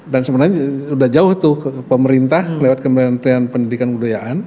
dan sebenarnya sudah jauh tuh pemerintah lewat kementerian pendidikan budayaan